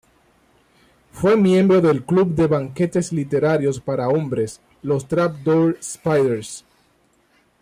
Fue miembro del club de banquetes literarios para hombres, los Trap Door Spiders.